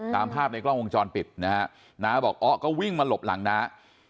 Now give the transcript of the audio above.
ตามภาพในกล้องวงจรปิดนะฮะน้าบอกอ๋อก็วิ่งมาหลบหลังน้า